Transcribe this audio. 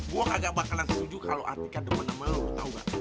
gua kagak bakalan setuju kalo hati kak demen demen lu tau gak